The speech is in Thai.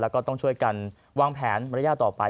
แล้วก็ต้องช่วยกันวางแผนระยะต่อไป